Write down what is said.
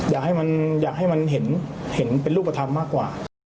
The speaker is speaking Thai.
อยากให้มันเห็นเป็นรูปธรรมมากกว่า